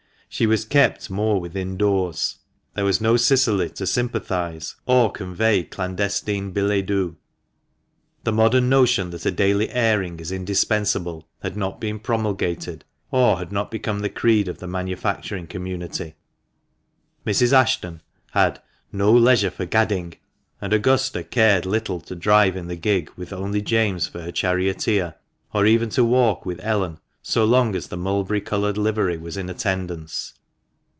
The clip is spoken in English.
She was kept much within doors. There was no Cicily to sympathise or convey clandestine billet doux. The modern notion that a daily airing is indispensable had not been promulgated, or had not become the creed of the manufacturing community. Mrs. Ashton had "no leisure for gadding," and Augusta cared little to drive in the gig with only James for her charioteer, or even to walk with Ellen, so long as the mulberry coloured livery was in attendance.